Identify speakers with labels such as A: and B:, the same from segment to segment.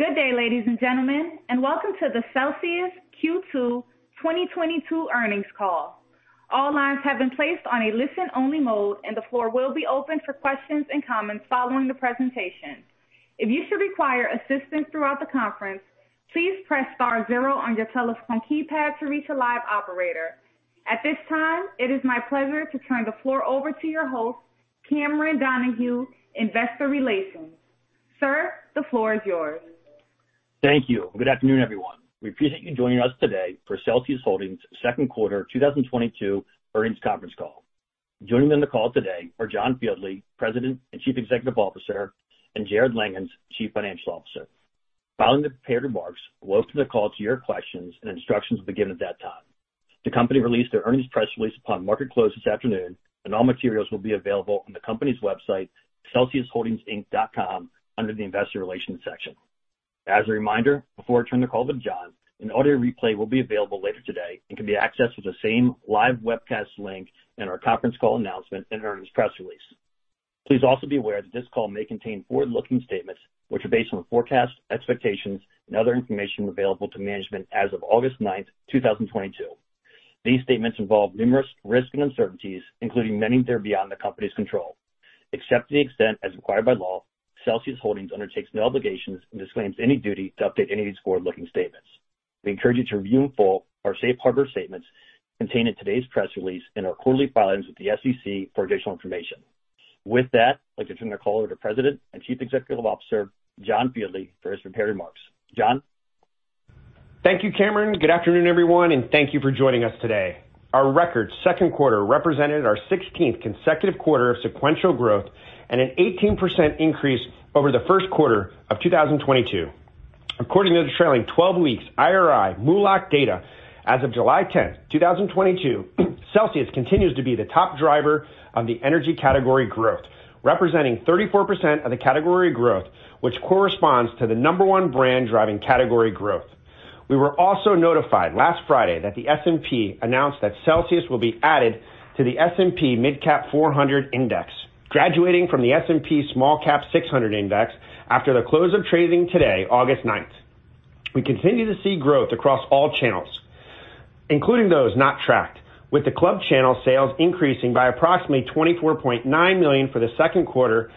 A: Good day, ladies and gentlemen, and welcome to the Celsius Q2 2022 Earnings Call. All lines have been placed on a listen-only mode, and the floor will be open for questions and comments following the presentation. If you should require assistance throughout the conference, please press star zero on your telephone keypad to reach a live operator. At this time, it is my pleasure to turn the floor over to your host, Cameron Donahue, Investor Relations. Sir, the floor is yours.
B: Thank you. Good afternoon, everyone. We appreciate you joining us today for Celsius Holdings Second Quarter 2022 Earnings Conference Call. Joining on the call today are John Fieldly, President and Chief Executive Officer, and Jarrod Langhans, Chief Financial Officer. Following the prepared remarks, we'll open the call to your questions, and instructions will be given at that time. The company released their earnings press release upon market close this afternoon, and all materials will be available on the company's website, CelsiusHoldingsInc.com, under the Investor Relations section. As a reminder, before I turn the call to John, an audio replay will be available later today and can be accessed with the same live webcast link in our conference call announcement and earnings press release. Please also be aware that this call may contain forward-looking statements which are based on forecasts, expectations, and other information available to management as of August 9, 2022. These statements involve numerous risks and uncertainties, including many that are beyond the company's control. Except to the extent as required by law, Celsius Holdings undertakes no obligations and disclaims any duty to update any of these forward-looking statements. We encourage you to review in full our safe harbor statements contained in today's press release and our quarterly filings with the SEC for additional information. With that, I'd like to turn the call over to President and Chief Executive Officer, John Fieldly, for his prepared remarks. John?
C: Thank you, Cameron. Good afternoon, everyone, and thank you for joining us today. Our record second quarter represented our 16th consecutive quarter of sequential growth and an 18% increase over the first quarter of 2022. According to the trailing twelve weeks IRI MULO data as of July 10, 2022, Celsius continues to be the top driver of the energy category growth, representing 34% of the category growth, which corresponds to the number one brand driving category growth. We were also notified last Friday that the S&P announced that Celsius will be added to the S&P MidCap 400 index, graduating from the S&P SmallCap 600 index after the close of trading today, August 9. We continue to see growth across all channels, including those not tracked, with the club channel sales increasing by approximately $24.9 million for the second quarter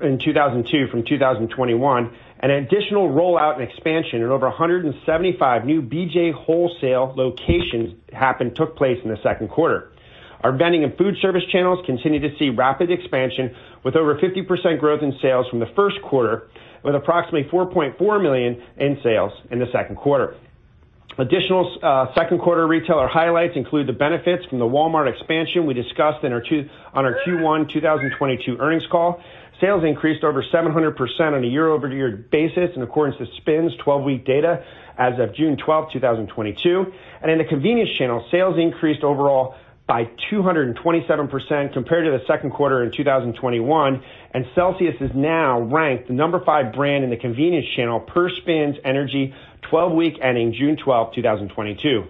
C: in 2022 from 2021, and an additional rollout and expansion in over 175 new BJ's locations took place in the second quarter. Our vending and food service channels continue to see rapid expansion with over 50% growth in sales from the first quarter, with approximately $4.4 million in sales in the second quarter. Additional second quarter retailer highlights include the benefits from the Walmart expansion we discussed on our Q1 2022 earnings call. Sales increased over 700% on a year-over-year basis in accordance to SPINS 12-week data as of June 12, 2022. In the convenience channel, sales increased overall by 227% compared to the second quarter in 2021, and Celsius is now ranked the number 5 brand in the convenience channel per SPINS Energy 12-week ending June 12, 2022.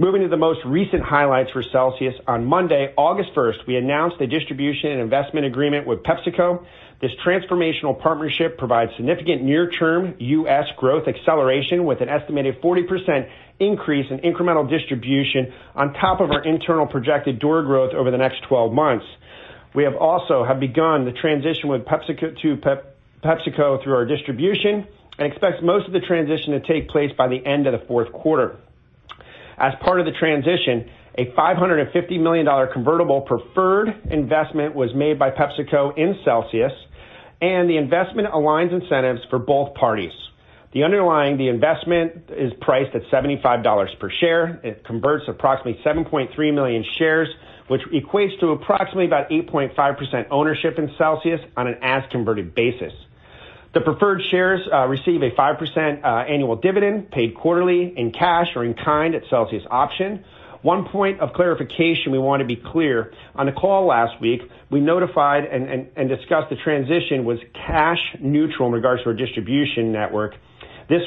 C: Moving to the most recent highlights for Celsius, on Monday, August 1, we announced a distribution and investment agreement with PepsiCo. This transformational partnership provides significant near-term U.S. growth acceleration with an estimated 40% increase in incremental distribution on top of our internal projected door growth over the next 12 months. We have also begun the transition with PepsiCo to PepsiCo through our distributors and expect most of the transition to take place by the end of the fourth quarter. As part of the transition, a $550 million convertible preferred investment was made by PepsiCo in Celsius, and the investment aligns incentives for both parties. The underlying the investment is priced at $75 per share. It converts approximately 7.3 million shares, which equates to approximately about 8.5% ownership in Celsius on an as converted basis. The preferred shares receive a 5% annual dividend paid quarterly in cash or in kind at Celsius option. One point of clarification we want to be clear, on the call last week, we notified and discussed the transition was cash neutral in regards to our distribution network. It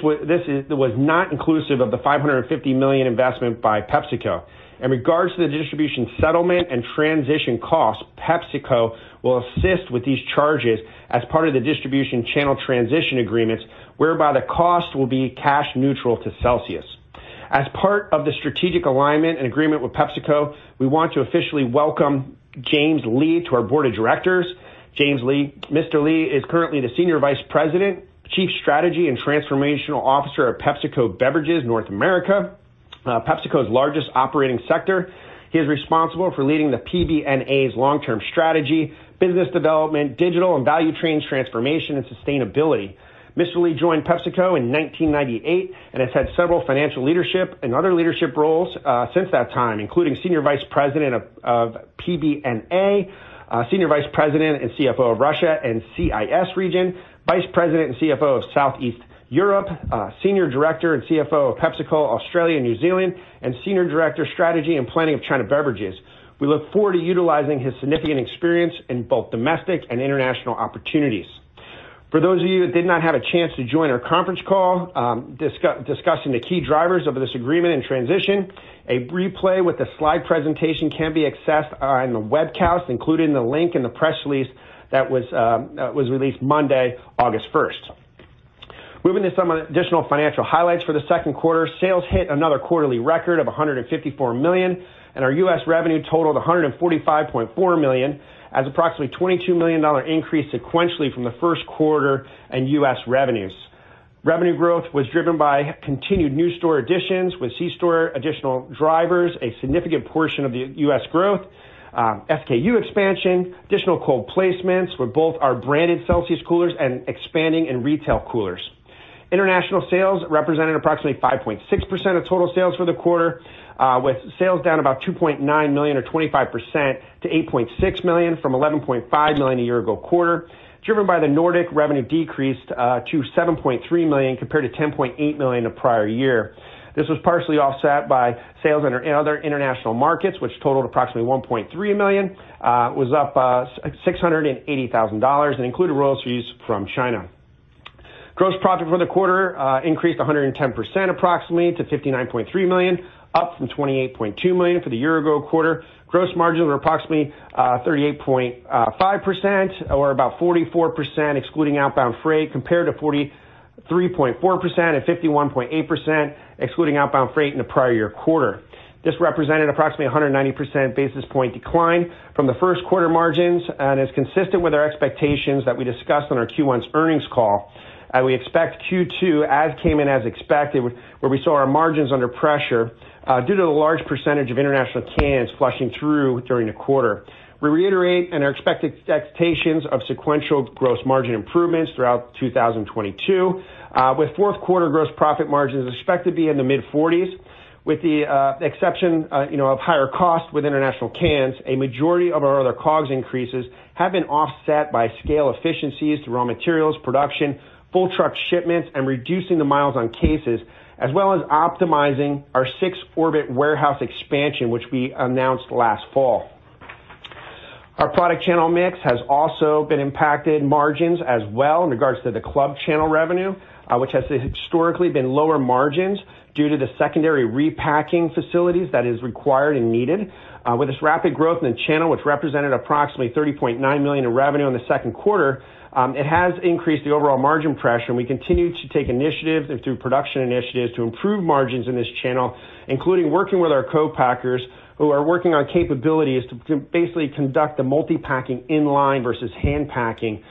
C: was not inclusive of the $550 million investment by PepsiCo. In regards to the distribution settlement and transition costs, PepsiCo will assist with these charges as part of the distribution channel transition agreements, whereby the cost will be cash neutral to Celsius. As part of the strategic alignment and agreement with PepsiCo, we want to officially welcome James Lee to our board of directors. James Lee. Mr. Lee is currently the Senior Vice President, Chief Strategy and Transformation Officer of PepsiCo Beverages North America, PepsiCo's largest operating sector. He is responsible for leading the PBNA's long-term strategy, business development, digital and value chain transformation, and sustainability. Mr. Lee joined PepsiCo in 1998 and has had several financial leadership and other leadership roles since that time, including Senior Vice President of PBNA, Senior Vice President and CFO of Russia and CIS region, Vice President and CFO of Southeast Europe, Senior Director and CFO of PepsiCo Australia and New Zealand, and Senior Director, Strategy and Planning of China Beverages. We look forward to utilizing his significant experience in both domestic and international opportunities. For those of you that did not have a chance to join our conference call discussing the key drivers of this agreement and transition, a replay with a slide presentation can be accessed on the webcast, including the link in the press release that was released Monday, August first. Moving to some additional financial highlights for the second quarter. Sales hit another quarterly record of $154 million, and our U.S. revenue totaled $145.4 million, a approximately $22 million increase sequentially from the first quarter in U.S. revenues. Revenue growth was driven by continued new store additions with C-store additional drivers, a significant portion of the U.S. growth, SKU expansion, additional cold placements with both our branded Celsius coolers and expanding in retail coolers. International sales represented approximately 5.6% of total sales for the quarter, with sales down about $2.9 million or 25% to $8.6 million from $11.5 million a year ago quarter, driven by the Nordic revenue decreased to $7.3 million compared to $10.8 million the prior year. This was partially offset by sales in our in other international markets, which totaled approximately $1.3 million, was up $680,000 and included royalties from China. Gross profit for the quarter increased 110% approximately to $59.3 million, up from $28.2 million for the year ago quarter. Gross margins were approximately 38.5% or about 44% excluding outbound freight compared to 43.4% and 51.8% excluding outbound freight in the prior year quarter. This represented approximately 190 basis point decline from the first quarter margins and is consistent with our expectations that we discussed on our Q1 earnings call. We expect Q2 as it came in as expected, where we saw our margins under pressure due to the large percentage of international cans flushing through during the quarter. We reiterate our expectations of sequential gross margin improvements throughout 2022, with fourth quarter gross profit margins expected to be in the mid-40s%. With the exception, you know, of higher costs with international cans, a majority of our other COGS increases have been offset by scale efficiencies through raw materials, production, full truck shipments, and reducing the miles on cases, as well as optimizing our sixth Orbit warehouse expansion, which we announced last fall. Our product channel mix has also been impacted our margins as well in regards to the club channel revenue, which has historically been lower margins due to the secondary repacking facilities that are required and needed. With this rapid growth in the channel, which represented approximately $30.9 million in revenue in the second quarter, it has increased the overall margin pressure, and we continue to take initiatives and through production initiatives to improve margins in this channel, including working with our co-packers who are working on capabilities to basically conduct the multi-packing in-line versus hand packing.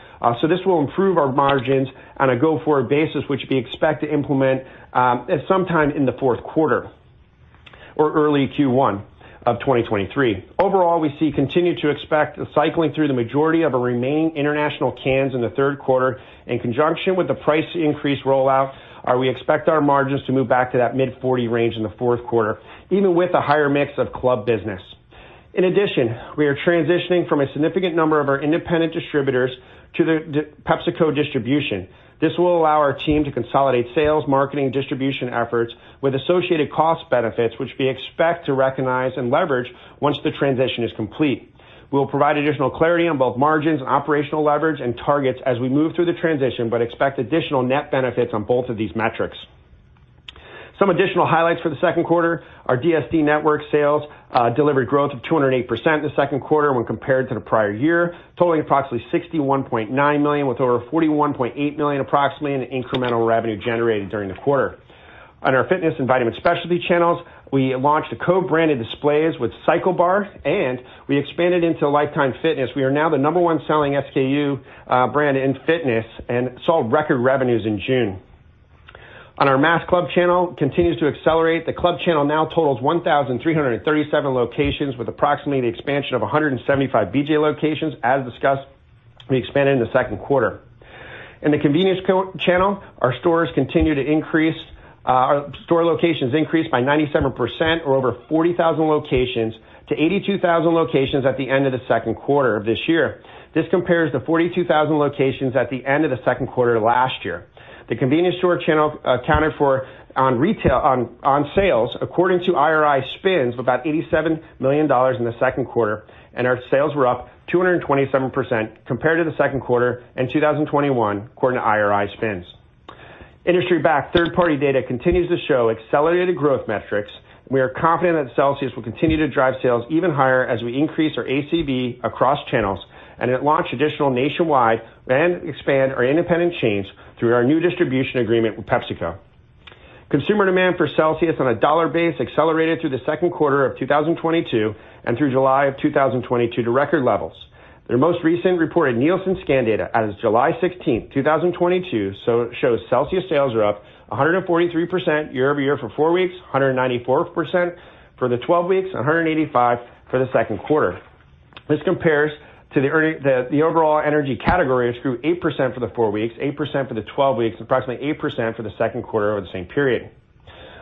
C: This will improve our margins on a go-forward basis, which we expect to implement at sometime in the fourth quarter or early Q1 of 2023. Overall, we continue to expect cycling through the majority of our remaining international cans in the third quarter. In conjunction with the price increase rollout, we expect our margins to move back to that mid-40% range in the fourth quarter, even with a higher mix of club business. In addition, we are transitioning from a significant number of our independent distributors to the PepsiCo distribution. This will allow our team to consolidate sales, marketing, distribution efforts with associated cost benefits, which we expect to recognize and leverage once the transition is complete. We'll provide additional clarity on both margins and operational leverage and targets as we move through the transition, but expect additional net benefits on both of these metrics. Some additional highlights for the second quarter are DSD network sales delivered growth of 208% in the second quarter when compared to the prior year, totaling approximately $61.9 million, with over $41.8 million approximately in incremental revenue generated during the quarter. On our fitness and vitamin specialty channels, we launched the co-branded displays with CycleBar and we expanded into Life Time. We are now the number-one selling SKU, brand in fitness and sold record revenues in June. Our Sam's Club channel continues to accelerate. The club channel now totals 1,337 locations with approximately the expansion of 175 BJ's locations as discussed. We expanded in the second quarter. In the convenience channel, our stores continue to increase, our store locations increased by 97% or over 40,000 locations to 82,000 locations at the end of the second quarter of this year. This compares to 42,000 locations at the end of the second quarter last year. The convenience store channel accounted for on sales, according to IRI SPINS, of about $87 million in the second quarter, and our sales were up 227% compared to the second quarter in 2021, according to IRI SPINS. Industry backed third-party data continues to show accelerated growth metrics. We are confident that Celsius will continue to drive sales even higher as we increase our ACV across channels and launch additional nationwide and expand our independent chains through our new distribution agreement with PepsiCo. Consumer demand for Celsius on a dollar basis accelerated through the second quarter of 2022 and through July of 2022 to record levels. Their most recent reported Nielsen scan data as of July 16, 2022, shows Celsius sales are up 143% year-over-year for four weeks, 194% for the twelve weeks, 185% for the second quarter. This compares to the overall energy category, which grew 8% for the four weeks, 8% for the twelve weeks, approximately 8% for the second quarter over the same period.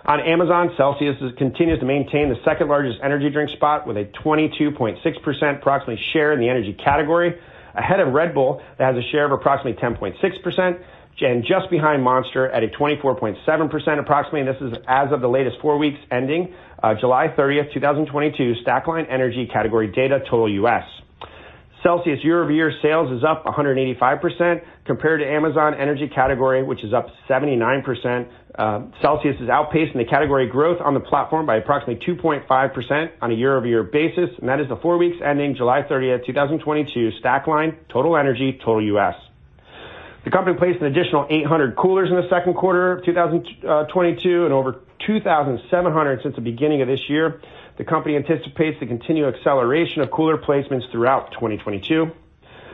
C: On Amazon, Celsius continues to maintain the second-largest energy drink spot with a 22.6% approximately share in the energy category, ahead of Red Bull that has a share of approximately 10.6% and just behind Monster at a 24.7% approximately. This is as of the latest four weeks ending July 30, 2022, Stackline energy category data total US. Celsius year-over-year sales is up 185% compared to Amazon energy category, which is up 79%. Celsius is outpacing the category growth on the platform by approximately 2.5% on a year-over-year basis, and that is the four weeks ending July 30, 2022, Stackline total energy total US. The company placed an additional 800 coolers in the second quarter of 2022 and over 2,700 since the beginning of this year. The company anticipates the continued acceleration of cooler placements throughout 2022.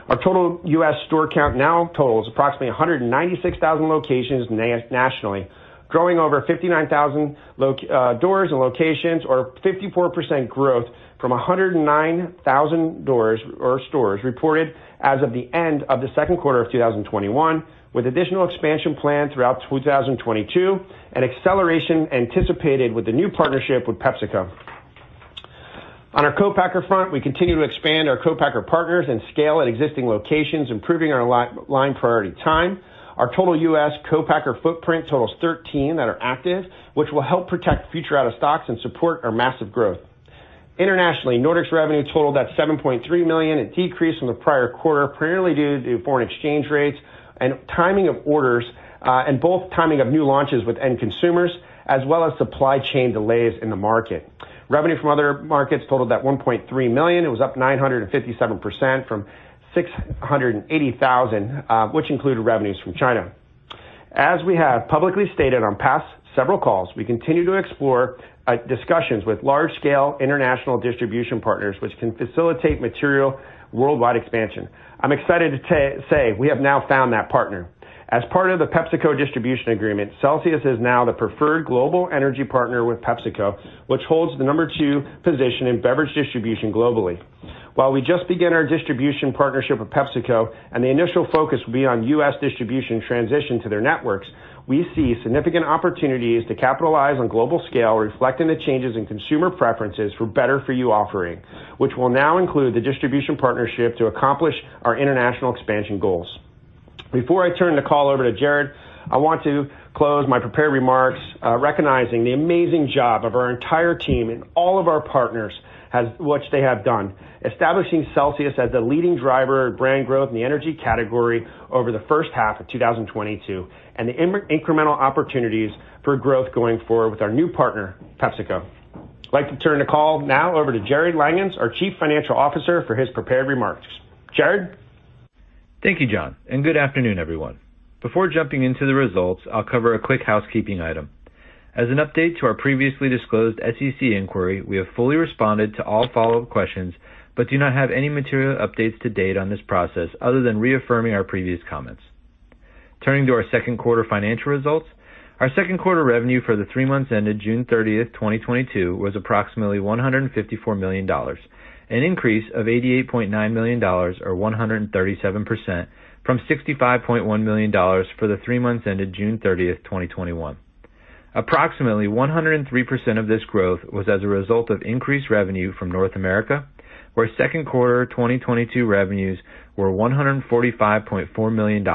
C: Our total US store count now totals approximately 196,000 locations nationally, growing over 59,000 doors and locations, or 54% growth from 109,000 doors or stores reported as of the end of the second quarter of 2021, with additional expansion planned throughout 2022 and acceleration anticipated with the new partnership with PepsiCo. On our co-packer front, we continue to expand our co-packer partners and scale at existing locations, improving our line priority time. Our total US co-packer footprint totals 13 that are active, which will help protect future out of stocks and support our massive growth. Internationally, Nordic's revenue totaled at $7.3 million. It decreased from the prior quarter, primarily due to foreign exchange rates and timing of orders, and both timing of new launches with end consumers, as well as supply chain delays in the market. Revenue from other markets totaled $1.3 million. It was up 957% from $680,000, which included revenues from China. As we have publicly stated on past several calls, we continue to explore discussions with large-scale international distribution partners which can facilitate material worldwide expansion. I'm excited to say we have now found that partner. As part of the PepsiCo distribution agreement, Celsius is now the preferred global energy partner with PepsiCo, which holds the number two position in beverage distribution globally. While we just begin our distribution partnership with PepsiCo and the initial focus will be on US distribution transition to their networks, we see significant opportunities to capitalize on global scale, reflecting the changes in consumer preferences for better-for-you offering, which will now include the distribution partnership to accomplish our international expansion goals. Before I turn the call over to Jarrod, I want to close my prepared remarks, recognizing the amazing job our entire team and all of our partners have done, establishing Celsius as the leading driver of brand growth in the energy category over the H1 of 2022 and the incremental opportunities for growth going forward with our new partner, PepsiCo. I'd like to turn the call now over to Jarrod Langhans, our Chief Financial Officer, for his prepared remarks. Jarrod?
D: Thank you, John, and good afternoon, everyone. Before jumping into the results, I'll cover a quick housekeeping item. As an update to our previously disclosed SEC inquiry, we have fully responded to all follow-up questions, but do not have any material updates to date on this process other than reaffirming our previous comments. Turning to our second quarter financial results, our second quarter revenue for the three months ended June 30, 2022 was approximately $154 million, an increase of $88.9 million or 137% from $65.1 million for the three months ended June 30, 2021. Approximately 103% of this growth was as a result of increased revenue from North America, where second quarter 2022 revenues were $145.4 million,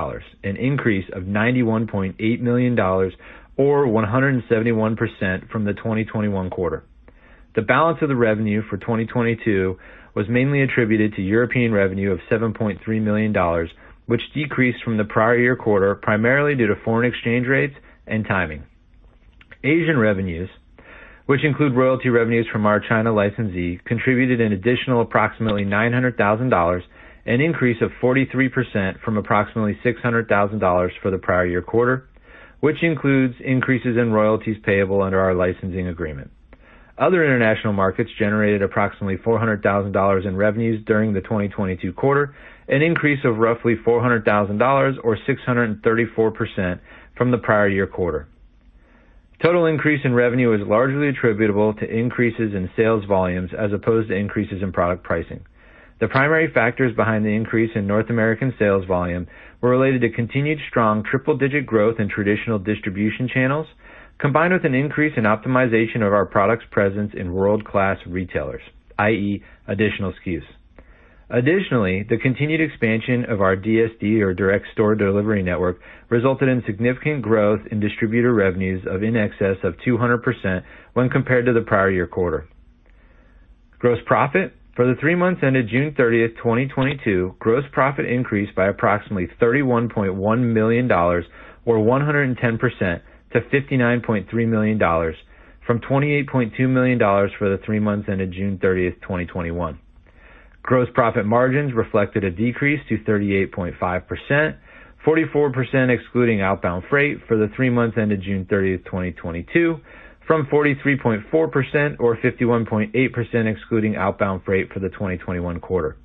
D: an increase of $91.8 million or 171% from the 2021 quarter. The balance of the revenue for 2022 was mainly attributed to European revenue of $7.3 million, which decreased from the prior year quarter, primarily due to foreign exchange rates and timing. Asian revenues, which include royalty revenues from our China licensee, contributed an additional approximately $900,000, an increase of 43% from approximately $600,000 for the prior year quarter, which includes increases in royalties payable under our licensing agreement. Other international markets generated approximately $400,000 in revenues during the 2022 quarter, an increase of roughly $400,000 or 634% from the prior year quarter. Total increase in revenue is largely attributable to increases in sales volumes as opposed to increases in product pricing. Primary factors behind the increase in North American sales volume were related to continued strong triple-digit growth in traditional distribution channels, combined with an increase in optimization of our products presence in world-class retailers, i.e., additional SKUs. Continued expansion of our DSD or direct store delivery network resulted in significant growth in distributor revenues of in excess of 200% when compared to the prior year quarter. Gross profit. For the three months ended June 30, 2022, gross profit increased by approximately $31.1 million or 110% to $59.3 million from $28.2 million for the three months ended June 30, 2021. Gross profit margins reflected a decrease to 38.5%, 44% excluding outbound freight for the three months ended June 30, 2022, from 43.4% or 51.8% excluding outbound freight for the 2021 quarter.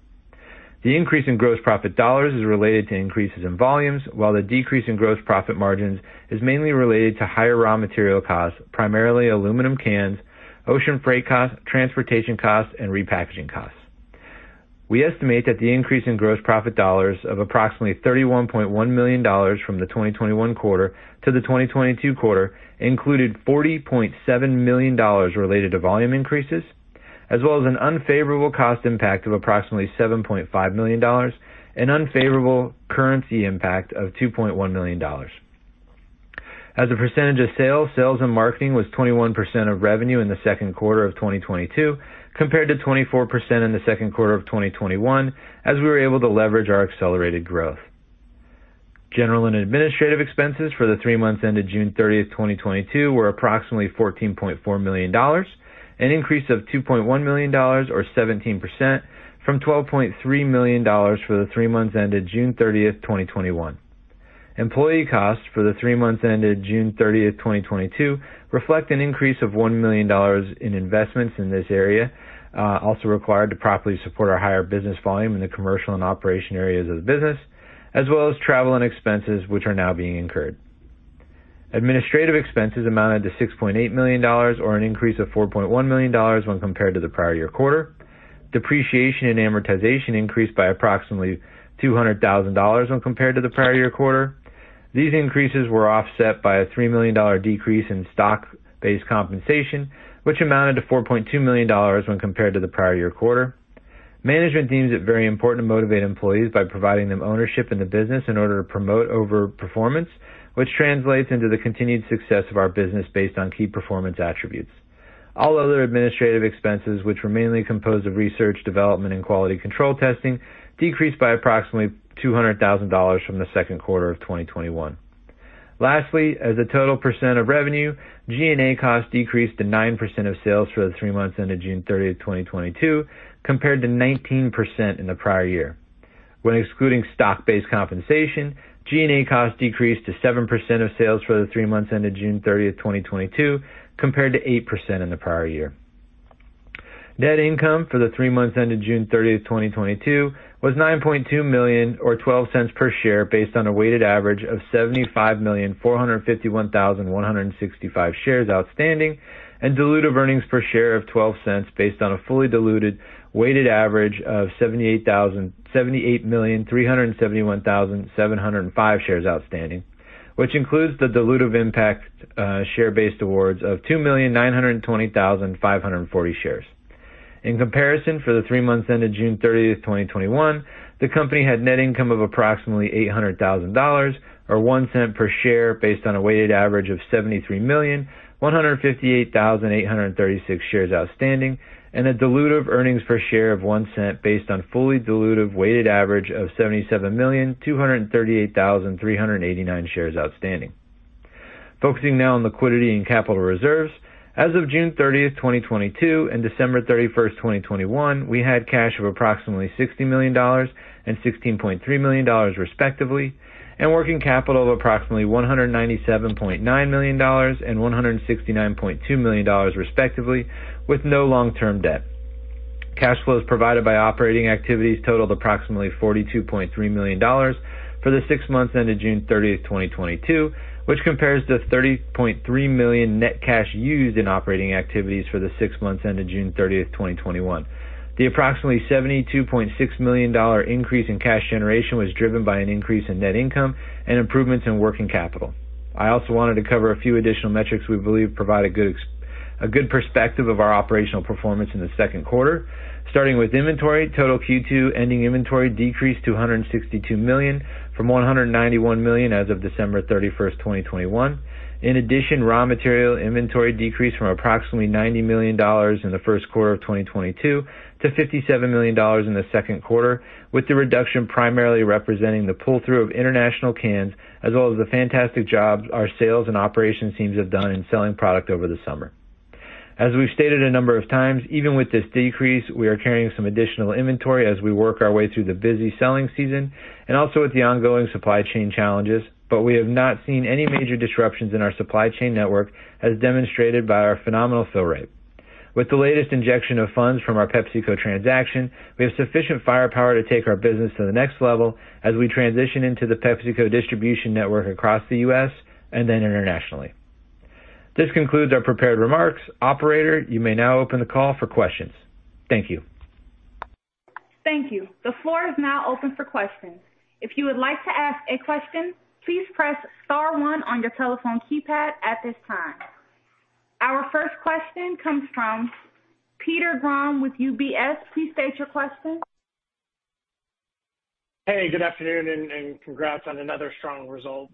D: The increase in gross profit dollars is related to increases in volumes. While the decrease in gross profit margins is mainly related to higher raw material costs, primarily aluminum cans, ocean freight costs, transportation costs, and repackaging costs. We estimate that the increase in gross profit dollars of approximately $31.1 million from the 2021 quarter to the 2022 quarter included $40.7 million related to volume increases, as well as an unfavorable cost impact of approximately $7.5 million, an unfavorable currency impact of $2.1 million. As a percentage of sales and marketing was 21% of revenue in the second quarter of 2022 compared to 24% in the second quarter of 2021, as we were able to leverage our accelerated growth. General and administrative expenses for the three months ended June 30, 2022 were approximately $14.4 million, an increase of $2.1 million or 17% from $12.3 million for the three months ended June 30, 2021. Employee costs for the three months ended June 30, 2022 reflect an increase of $1 million in investments in this area, also required to properly support our higher business volume in the commercial and operation areas of the business, as well as travel and expenses, which are now being incurred. Administrative expenses amounted to $6.8 million or an increase of $4.1 million when compared to the prior year quarter. Depreciation and amortization increased by approximately $200,000 when compared to the prior year quarter. These increases were offset by a $3 million decrease in stock-based compensation, which amounted to $4.2 million when compared to the prior year quarter. Management deems it very important to motivate employees by providing them ownership in the business in order to promote over performance, which translates into the continued success of our business based on key performance attributes. All other administrative expenses, which were mainly composed of research, development, and quality control testing, decreased by approximately $200,000 from the second quarter of 2021. Lastly, as a total percent of revenue, G&A costs decreased to 9% of sales for the three months ended June 30, 2022, compared to 19% in the prior year. When excluding stock-based compensation, G&A costs decreased to 7% of sales for the three months ended June 30, 2022, compared to 8% in the prior year. Net income for the three months ended June 30, 2022 was $9.2 million or $0.12 per share based on a weighted average of 75,451,165 shares outstanding and dilutive earnings per share of $0.12 based on a fully diluted weighted average of 78,371,705 shares outstanding, which includes the dilutive impact, share-based awards of 2,920,540 shares. In comparison, for the three months ended June 30, 2021, the company had net income of approximately $800,000 or $0.01 per share based on a weighted average of 73,158,836 shares outstanding, and a diluted earnings per share of $0.01 based on fully diluted weighted average of 77,238,389 shares outstanding. Focusing now on liquidity and capital reserves. As of June 30, 2022 and December 31, 2021, we had cash of approximately $60 million and $16.3 million, respectively, and working capital of approximately $197.9 million and $169.2 million, respectively, with no long-term debt.
E: Cash flows provided by operating activities totaled approximately $42.3 million for the six months ended June 30, 2022, which compares to $30.3 million net cash used in operating activities for the six months ended June 30, 2021. The approximately $72.6 million increase in cash generation was driven by an increase in net income and improvements in working capital. I also wanted to cover a few additional metrics we believe provide a good perspective of our operational performance in the second quarter. Starting with inventory, total Q2 ending inventory decreased to 162 million from 191 million as of December 31, 2021.
D: In addition, raw material inventory decreased from approximately $90 million in the first quarter of 2022 to $57 million in the second quarter, with the reduction primarily representing the pull through of international cans, as well as the fantastic job our sales and operations teams have done in selling product over the summer. As we've stated a number of times, even with this decrease, we are carrying some additional inventory as we work our way through the busy selling season and also with the ongoing supply chain challenges. We have not seen any major disruptions in our supply chain network as demonstrated by our phenomenal Fill Rate. With the latest injection of funds from our PepsiCo transaction, we have sufficient firepower to take our business to the next level as we transition into the PepsiCo distribution network across the U.S. and then internationally. This concludes our prepared remarks. Operator, you may now open the call for questions. Thank you.
A: Thank you. The floor is now open for questions. If you would like to ask a question, please press star-one on your telephone keypad at this time. Our first question comes from Peter Grom with UBS. Please state your question.
F: Hey, good afternoon and congrats on another strong result.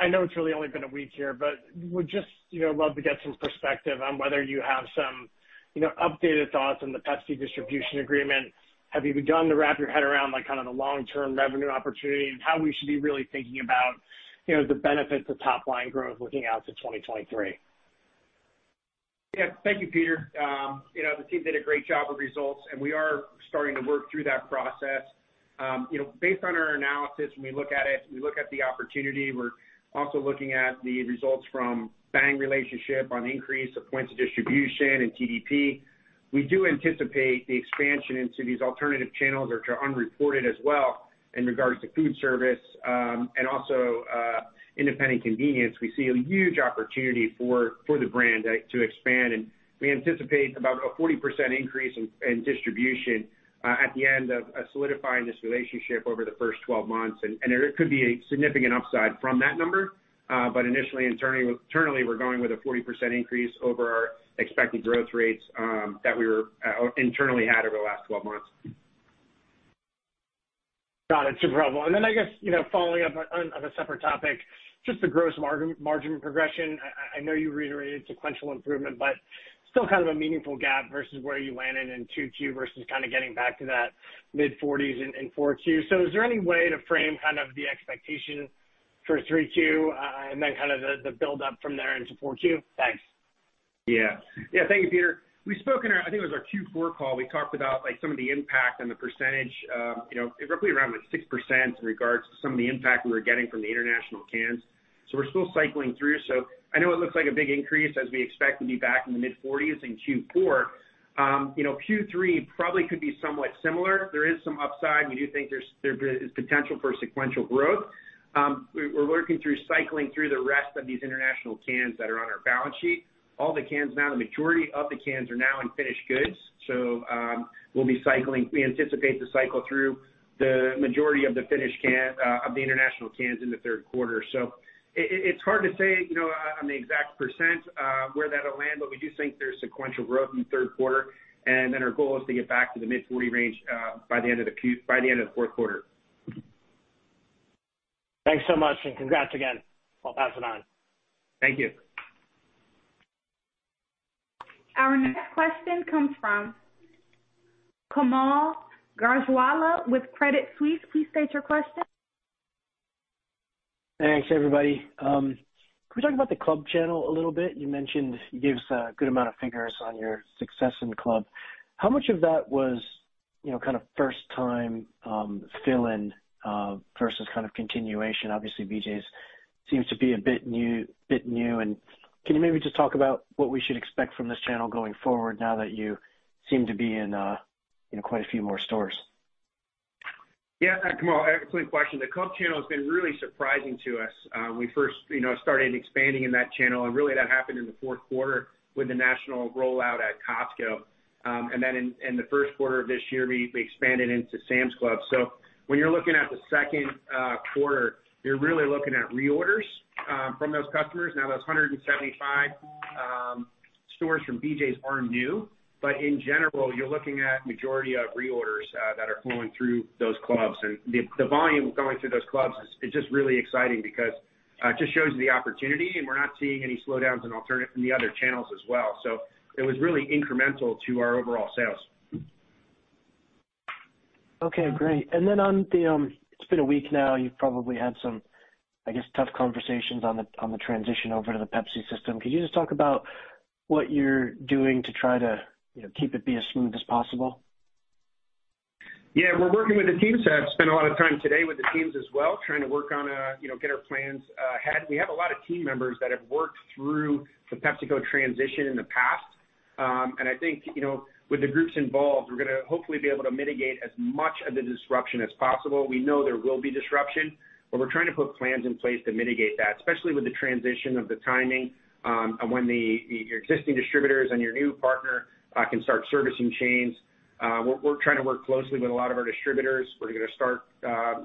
F: I know it's really only been a week here, but would just, you know, love to get some perspective on whether you have some, you know, updated thoughts on the Pepsi distribution agreement. Have you begun to wrap your head around, like, kind of the long-term revenue opportunity and how we should be really thinking about, you know, the benefits of top line growth looking out to 2023?
D: Yeah. Thank you, Peter. You know, the team did a great job with results, and we are starting to work through that process. You know, based on our analysis, when we look at it, we look at the opportunity, we're also looking at the results from Bang relationship on increase of Points of Distribution and TDP. We do anticipate the expansion into these alternative channels which are unreported as well in regards to food service, and also, independent convenience. We see a huge opportunity for the brand to expand, and we anticipate about a 40% increase in distribution at the end of solidifying this relationship over the first 12 months. It could be a significant upside from that number. Initially, internally, we're going with a 40% increase over our expected growth rates that we internally had over the last 12 months.
F: Got it. Super helpful. I guess, you know, following up on a separate topic, just the gross margin progression. I know you reiterated sequential improvement, but still kind of a meaningful gap versus where you landed in Q2 2022 versus kind of getting back to that mid-forties in Q4 2022. Is there any way to frame kind of the expectation for Q3 2022, and then kind of the build up from there into Q4 2022? Thanks.
C: Yeah. Thank you, Peter. We spoke in our, I think it was our Q4 call. We talked about like some of the impact on the percentage, you know, roughly around like 6% in regards to some of the impact we were getting from the international cans. We're still cycling through. I know it looks like a big increase as we expect to be back in the mid-40s% in Q4. You know, Q3 probably could be somewhat similar. There is some upside. We do think there is potential for sequential growth. We're working through cycling through the rest of these international cans that are on our balance sheet. All the cans now, the majority of the cans are now in finished goods. We'll be cycling. We anticipate to cycle through the majority of the finished international cans in the third quarter. It's hard to say, you know, on the exact percent where that'll land, but we do think there's sequential growth in the third quarter. Our goal is to get back to the mid-40% range by the end of the fourth quarter.
D: Thanks so much, and congrats again, 12,000 on.
C: Thank you.
A: Our next question comes from Kaumil Gajrawala with Credit Suisse. Please state your question.
G: Thanks, everybody. Can we talk about the club channel a little bit? You mentioned you gave us a good amount of figures on your success in club. How much of that was, you know, kind of first time fill in versus kind of continuation? Obviously, BJ's seems to be a bit new. Can you maybe just talk about what we should expect from this channel going forward now that you seem to be in quite a few more stores?
C: Yeah, Kaumil, excellent question. The club channel has been really surprising to us. We first, you know, started expanding in that channel, and really that happened in the fourth quarter with the national rollout at Costco. Then in the first quarter of this year, we expanded into Sam's Club. When you're looking at the second quarter, you're really looking at reorders from those customers. Now, those 175 stores from BJ's are new, but in general, you're looking at majority of reorders that are flowing through those clubs. The volume going through those clubs is just really exciting because it just shows the opportunity, and we're not seeing any slowdowns from the other channels as well. It was really incremental to our overall sales.
G: Okay, great. It's been a week now. You've probably had some, I guess, tough conversations on the transition over to the Pepsi system. Could you just talk about what you're doing to try to, you know, keep it be as smooth as possible?
C: Yeah. We're working with the teams. I've spent a lot of time today with the teams as well, trying to work on, you know, get our plans ahead. We have a lot of team members that have worked through the PepsiCo transition in the past. I think, you know, with the groups involved, we're gonna hopefully be able to mitigate as much of the disruption as possible. We know there will be disruption, but we're trying to put plans in place to mitigate that, especially with the transition of the timing, on when your existing distributors and your new partner can start servicing chains. We're trying to work closely with a lot of our distributors. We're gonna start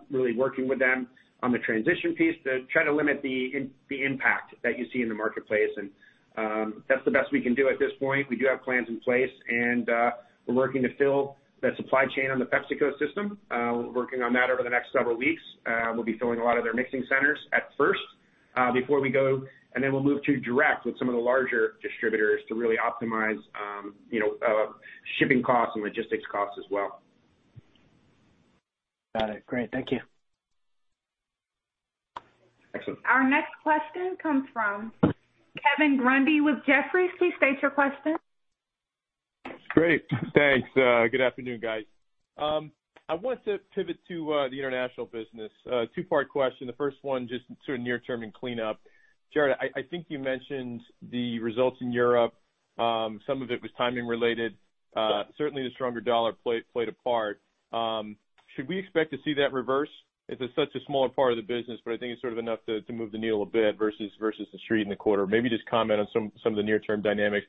C: really working with them on the transition piece to try to limit the impact that you see in the marketplace. That's the best we can do at this point. We do have plans in place, and we're working to fill that supply chain on the PepsiCo system. Working on that over the next several weeks. We'll be filling a lot of their mixing centers at first, before we go, and then we'll move to direct with some of the larger distributors to really optimize, you know, shipping costs and logistics costs as well.
G: Got it. Great. Thank you.
C: Excellent.
A: Our next question comes from Kevin Grundy with Jefferies. Please state your question.
H: Great. Thanks. Good afternoon, guys. I want to pivot to the international business. Two-part question. The first one, just sort of near term and cleanup. Jarrod, I think you mentioned the results in Europe. Some of it was timing related. Certainly the stronger dollar played a part. Should we expect to see that reverse? It's such a smaller part of the business, but I think it's sort of enough to move the needle a bit versus the street in the quarter. Maybe just comment on some of the near-term dynamics.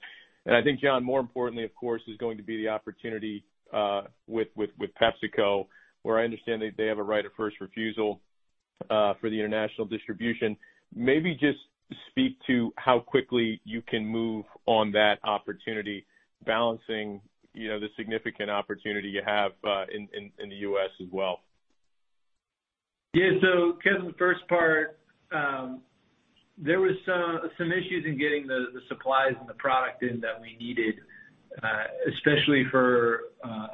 H: I think, John, more importantly, of course, is going to be the opportunity with PepsiCo, where I understand that they have a right of first refusal for the international distribution. Maybe just speak to how quickly you can move on that opportunity, balancing, you know, the significant opportunity you have, in the U.S. as well.
D: Yeah. Kevin, the first part, there was some issues in getting the supplies and the product in that we needed, especially for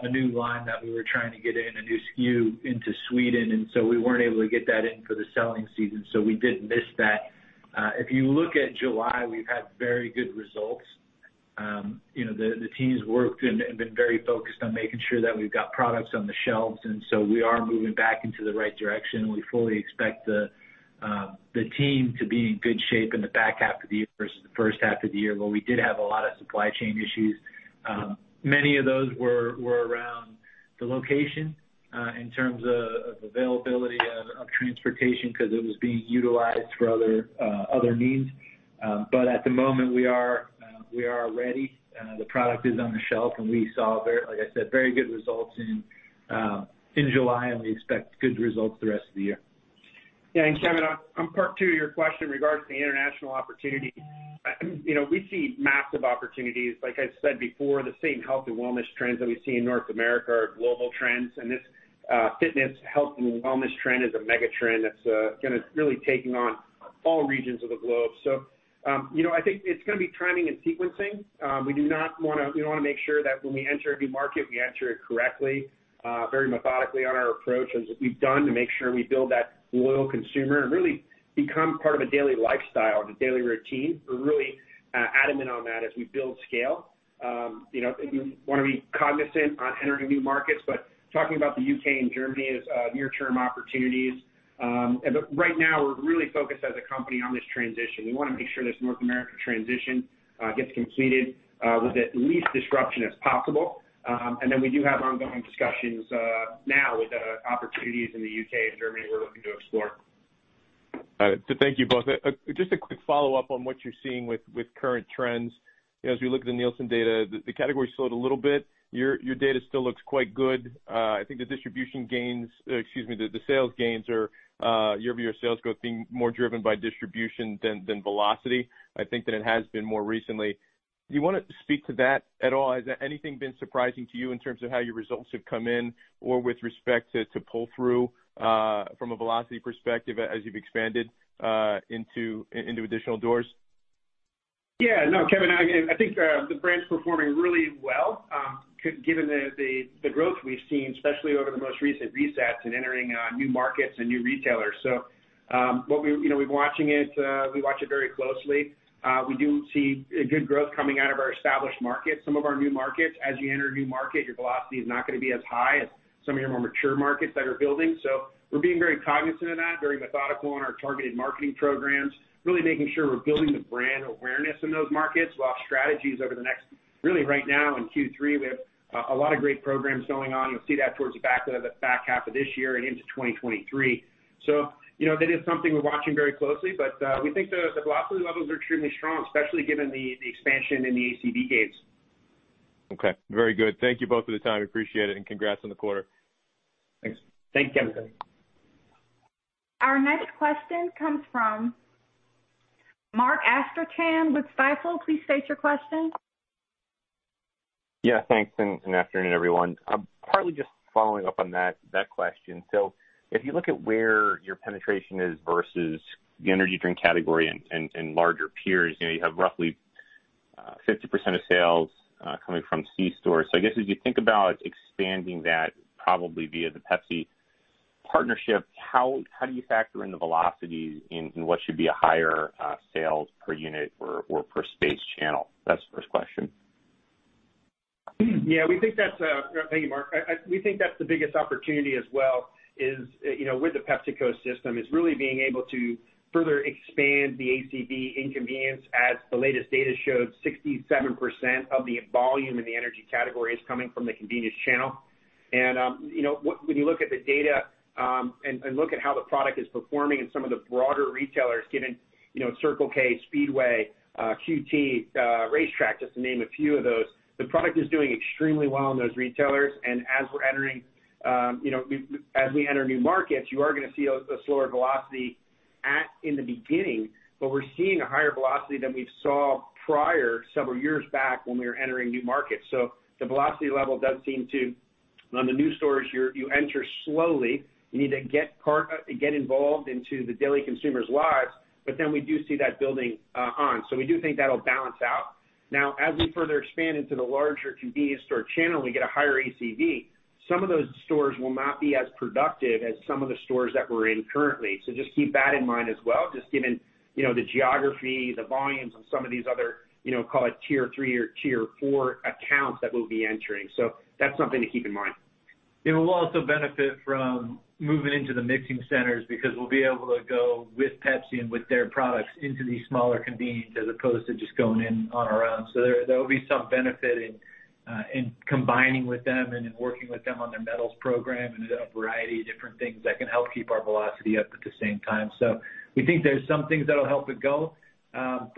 D: a new line that we were trying to get in, a new SKU into Sweden, and we weren't able to get that in for the selling season. We did miss that. If you look at July, we've had very good results. You know, the team's worked and been very focused on making sure that we've got products on the shelves, and we are moving back into the right direction. We fully expect the team to be in good shape in the back half of the year versus the H1 of the year, where we did have a lot of supply chain issues. Many of those were around the location in terms of availability of transportation because it was being utilized for other needs. At the moment, we are ready. The product is on the shelf, and we saw very, like I said, very good results in July, and we expect good results the rest of the year.
C: Yeah. Kevin, on part two of your question regards to the international opportunity. You know, we see massive opportunities. Like I said before, the same health and wellness trends that we see in North America are global trends. This fitness, health and wellness trend is a mega trend that's kind of really taking on all regions of the globe. You know, I think it's gonna be timing and sequencing. We wanna make sure that when we enter a new market, we enter it correctly, very methodically on our approach as we've done to make sure we build that loyal consumer and really become part of a daily lifestyle and a daily routine. We're really adamant on that as we build scale. You know, we wanna be cognizant on entering new markets, but talking about the UK and Germany as near-term opportunities. Right now, we're really focused as a company on this transition. We wanna make sure this North American transition gets completed with the least disruption as possible. Then we do have ongoing discussions now with opportunities in the UK and Germany we're looking to explore.
H: Thank you both. Just a quick follow-up on what you're seeing with current trends. You know, as we look at the Nielsen data, the category slowed a little bit. Your data still looks quite good. I think the sales gains are year-over-year sales growth being more driven by distribution than velocity, I think, than it has been more recently. Do you wanna speak to that at all? Has anything been surprising to you in terms of how your results have come in or with respect to pull through from a velocity perspective as you've expanded into additional doors?
C: No, Kevin, again, I think the brand's performing really well, given the growth we've seen, especially over the most recent resets and entering new markets and new retailers. You know, we're watching it. We watch it very closely. We do see a good growth coming out of our established markets. Some of our new markets, as you enter a new market, your velocity is not gonna be as high as some of your more mature markets that are building. We're being very cognizant of that, very methodical in our targeted marketing programs, really making sure we're building the brand awareness in those markets while strategies over the next. Really right now in Q3, we have a lot of great programs going on. You'll see that towards the back of the back half of this year and into 2023. You know, that is something we're watching very closely, but we think the velocity levels are extremely strong, especially given the expansion in the ACV gains.
H: Okay. Very good. Thank you both for the time. We appreciate it, and congrats on the quarter.
C: Thanks.
D: Thank you, Kevin.
A: Our next question comes from Mark Astrachan with Stifel. Please state your question.
I: Yeah. Thanks, and afternoon, everyone. I'm partly just following up on that question. If you look at where your penetration is versus the energy drink category and larger peers, you know, you have roughly 50% of sales coming from C-stores. I guess, as you think about expanding that probably via the Pepsi partnership, how do you factor in the velocity in what should be a higher sales per unit or per space channel? That's the first question.
C: Yeah. We think that's. Thank you, Mark. We think that's the biggest opportunity as well, is, you know, with the PepsiCo system, is really being able to further expand the ACV in convenience as the latest data showed 67% of the volume in the energy category is coming from the convenience channel. When you look at the data, and look at how the product is performing in some of the broader retailers, given, you know, Circle K, Speedway, QT, RaceTrac, just to name a few of those, the product is doing extremely well in those retailers. As we're entering, you know, as we enter new markets, you are gonna see a slower velocity at the beginning. We're seeing a higher velocity than we saw prior several years back when we were entering new markets. The velocity level does seem to. On the new stores, you enter slowly. You need to get involved into the daily consumers' lives. Then we do see that building on. We do think that'll balance out. Now, as we further expand into the larger convenience store channel, we get a higher ACV. Some of those stores will not be as productive as some of the stores that we're in currently. Just keep that in mind as well, just given, you know, the geography, the volumes of some of these other, you know, call it Tier 3 or Tier 4 accounts that we'll be entering. That's something to keep in mind.
D: It will also benefit from moving into the mixing centers because we'll be able to go with Pepsi and with their products into these smaller convenience as opposed to just going in on our own. There will be some benefit in combining with them and in working with them on their Medals Program and a variety of different things that can help keep our velocity up at the same time. We think there's some things that'll help it go.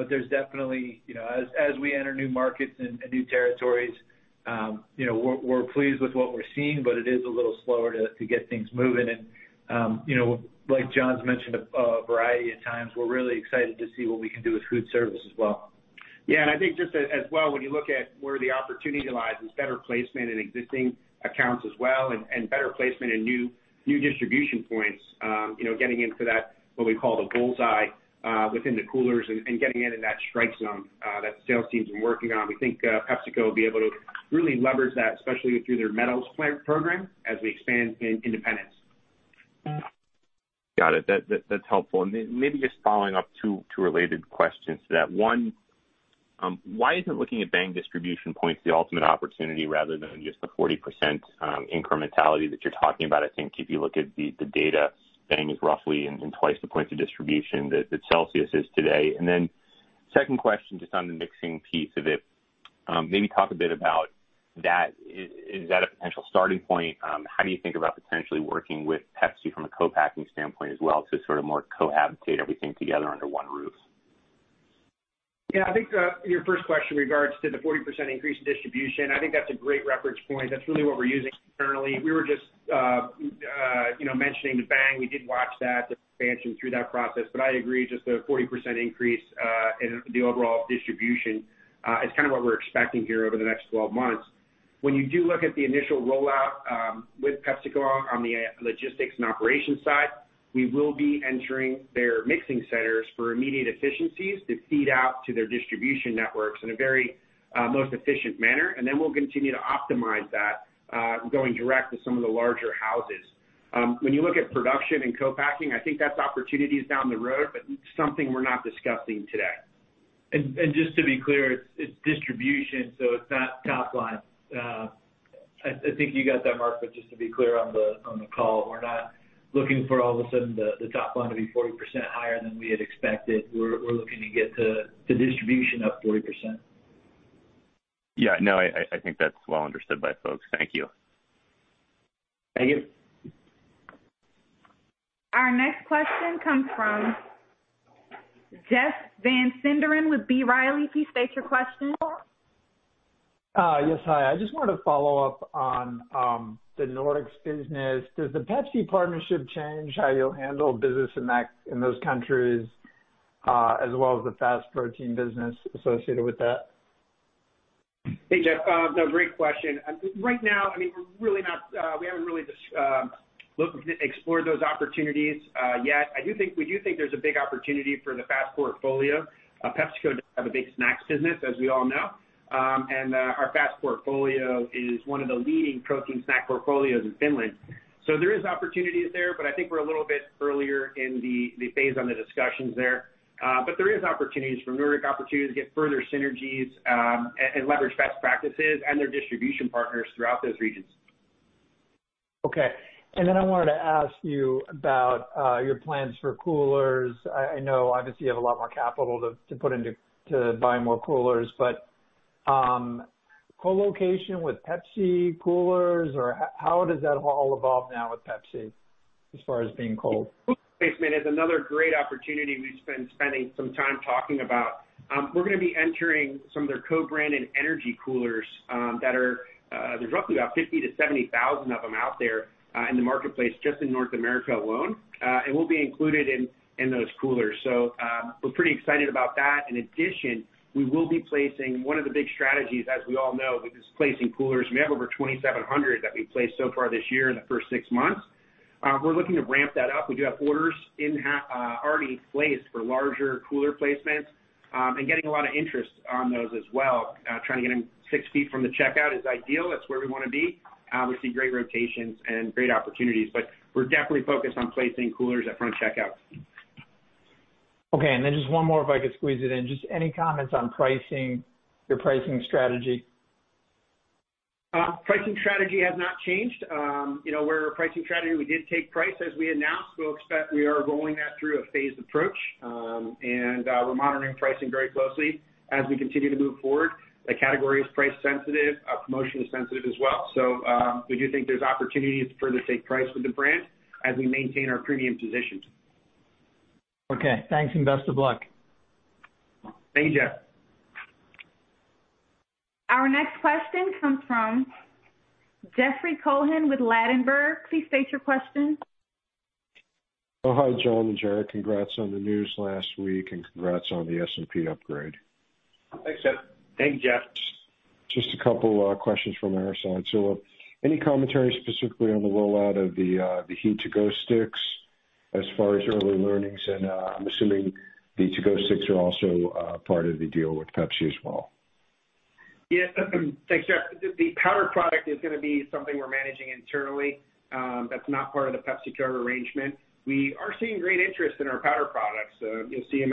D: There's definitely, you know, as we enter new markets and new territories, you know, we're pleased with what we're seeing, but it is a little slower to get things moving. You know, like John's mentioned a variety of times, we're really excited to see what we can do with food service as well.
C: I think just as well, when you look at where the opportunity lies is better placement in existing accounts as well and better placement in new distribution points. You know, getting into that, what we call the bull's-eye within the coolers and getting it in that strike zone that the sales team's been working on. We think PepsiCo will be able to really leverage that, especially through their Medals Program as we expand in independents.
I: Got it. That's helpful. Maybe just following up two related questions to that. One, why isn't looking at Bang distribution points the ultimate opportunity rather than just the 40% incrementality that you're talking about? I think if you look at the data, Bang is roughly in twice the points of distribution that Celsius is today. Second question, just on the mixing piece of it, maybe talk a bit about that. Is that a potential starting point? How do you think about potentially working with Pepsi from a co-packing standpoint as well to sort of more cohabitate everything together under one roof?
C: Yeah. I think your first question regards the 40% increase in distribution. I think that's a great reference point. That's really what we're using internally. We were just you know mentioning the Bang. We did watch that expansion through that process. I agree, just the 40% increase in the overall distribution is kind of what we're expecting here over the next 12 months. When you do look at the initial rollout with PepsiCo on the logistics and operations side, we will be entering their mixing centers for immediate efficiencies to feed out to their distribution networks in a very most efficient manner. We'll continue to optimize that, going direct to some of the larger houses. When you look at production and co-packing, I think that's opportunities down the road, but something we're not discussing today.
D: Just to be clear, it's distribution, so it's not top line. I think you got that, Mark, but just to be clear on the call, we're not looking for all of a sudden the top line to be 40% higher than we had expected. We're looking to get the distribution up 40%.
I: Yeah. No, I think that's well understood by folks. Thank you.
C: Thank you.
A: Our next question comes from Jeff Van Sinderen with B. Riley. Please state your question.
J: Yes. Hi. I just wanted to follow up on the Nordics business. Does the Pepsi partnership change how you'll handle business in that, in those countries, as well as the FAST protein business associated with that?
C: Hey, Jeff. No, great question. Right now, I mean, we haven't really just looked, explored those opportunities yet. I do think there's a big opportunity for the FAST portfolio. PepsiCo doesn't have a big snacks business, as we all know. And our FAST portfolio is one of the leading protein snack portfolios in Finland. There are opportunities there, but I think we're a little bit earlier in the phase on the discussions there. There are opportunities from Nordic opportunities to get further synergies and leverage best practices and their distribution partners throughout those regions.
J: Okay. I wanted to ask you about your plans for coolers. I know obviously you have a lot more capital to put into, to buy more coolers. Co-location with Pepsi coolers or how does that all evolve now with Pepsi as far as being cold?
C: Cooler placement is another great opportunity we've been spending some time talking about. We're gonna be entering some of their co-branded energy coolers, that are, there's roughly about 50,000-70,000 of them out there, in the marketplace, just in North America alone. We'll be included in those coolers. We're pretty excited about that. In addition, we will be placing one of the big strategies, as we all know, is placing coolers. We have over 2,700 that we've placed so far this year in the first six months. We're looking to ramp that up. We do have orders in already placed for larger cooler placements, and getting a lot of interest on those as well. Trying to get them 6 ft. from the checkout is ideal. That's where we wanna be. We see great rotations and great opportunities, but we're definitely focused on placing coolers at front checkout.
J: Okay. Just one more, if I could squeeze it in. Just any comments on pricing, your pricing strategy?
C: Pricing strategy has not changed. You know, where our pricing strategy, we did take price, as we announced. We are rolling that through a phased approach. We're monitoring pricing very closely as we continue to move forward. The category is price sensitive, promotion sensitive as well. We do think there's opportunities to further take price with the brand as we maintain our premium position.
J: Okay. Thanks, and best of luck.
C: Thank you.
A: Our next question comes from Jeffrey Cohen with Ladenburg Thalmann. Please state your question.
E: Oh, hi, John and Jarrod. Congrats on the news last week and congrats on the S&P upgrade.
C: Thanks, Jeff.
D: Thank you, Jeff.
E: Just a couple questions from our side. Any commentary specifically on the rollout of the CELSIUS On-the-Go Powder Sticks as far as early learnings? I'm assuming the To-Go sticks are also part of the deal with Pepsi as well.
C: Yeah. Thanks, Jeff. The powder product is gonna be something we're managing internally. That's not part of the PepsiCo arrangement. We are seeing great interest in our powder products. You'll see them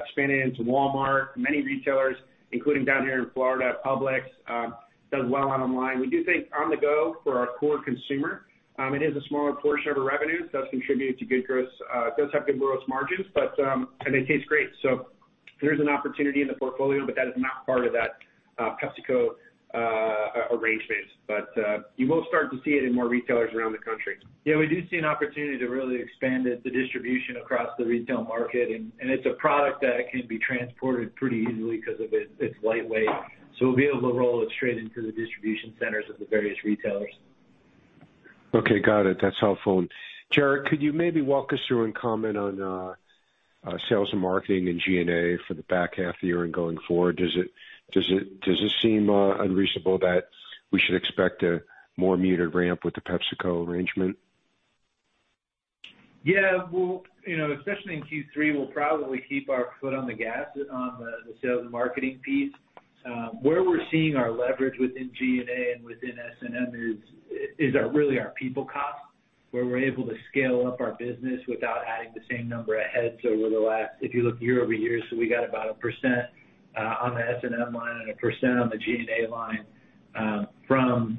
C: expanding into Walmart. Many retailers, including down here in Florida, Publix does well online. We do think On-the-Go for our core consumer, it is a smaller portion of our revenue. It does contribute to good gross margins, but and they taste great. So there's an opportunity in the portfolio, but that is not part of that PepsiCo arrangement. You will start to see it in more retailers around the country.
D: Yeah, we do see an opportunity to really expand it, the distribution across the retail market. It's a product that can be transported pretty easily because of its light weight. We'll be able to roll it straight into the distribution centers of the various retailers.
E: Okay, got it. That's helpful. Jarrod, could you maybe walk us through and comment on sales and marketing and G&A for the back half of the year and going forward? Does it seem unreasonable that we should expect a more muted ramp with the PepsiCo arrangement?
D: Yeah. You know, especially in Q3, we'll probably keep our foot on the gas on the sales and marketing piece. Where we're seeing our leverage within G&A and within S&M is really our people costs, where we're able to scale up our business without adding the same number of heads over the last year. If you look year-over-year, we got about 1% on the S&M line and 1% on the G&A line from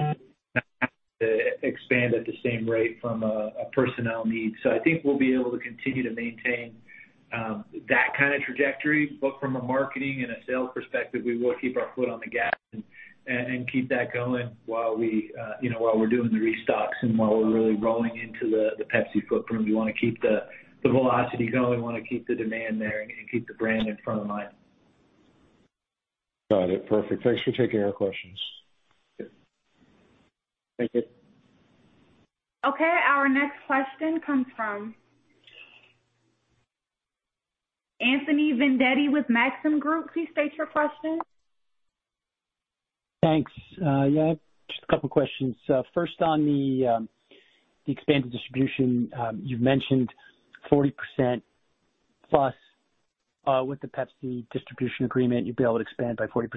D: expanding at the same rate from a personnel need. I think we'll be able to continue to maintain that kind of trajectory. From a marketing and a sales perspective, we will keep our foot on the gas and keep that going while we, you know, while we're doing the restocks and while we're really rolling into the Pepsi footprint. We wanna keep the velocity going, we wanna keep the demand there and keep the brand in front of mind.
E: Got it. Perfect. Thanks for taking our questions.
C: Thank you.
A: Okay. Our next question comes from Anthony Vendetti with Maxim Group. Please state your question.
K: Thanks. Yeah, just a couple questions. First on the expanded distribution. You've mentioned 40% plus with the Pepsi distribution agreement, you'd be able to expand by 40%.